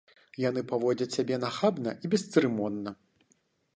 Яны паводзяць сябе нахабна і бесцырымонна.